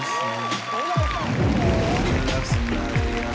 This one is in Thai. เฮ่ย